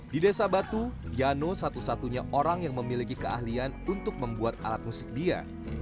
di desa batu yano satu satunya orang yang memiliki keahlian untuk membuat alat musik bia